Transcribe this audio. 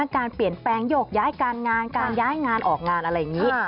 การเปลี่ยนแปลงโยกย้ายการงานการย้ายงานออกงานอะไรอย่างนี้